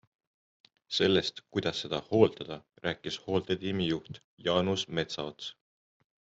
Sellest, kuidas seda hooldada, rääkis hooldetiimi juht Jaanus Metsaots.